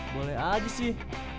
boleh aja sih